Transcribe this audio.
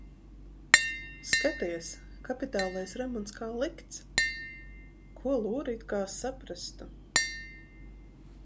Skaties- kapitālais remonts kā likts! Ko lūri it kā saprastu?